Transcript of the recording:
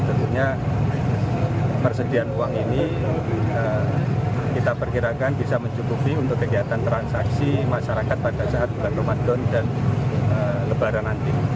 tentunya persediaan uang ini kita perkirakan bisa mencukupi untuk kegiatan transaksi masyarakat pada saat bulan ramadan dan lebaran nanti